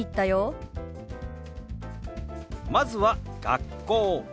まずは「学校」。